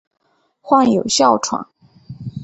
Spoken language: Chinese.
患有哮喘。